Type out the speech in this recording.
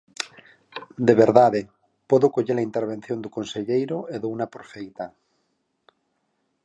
De verdade, podo coller a intervención do conselleiro e douna por feita.